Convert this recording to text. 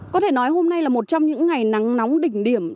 có thể nói hôm nay là một trong những ngày nắng nóng đỉnh điểm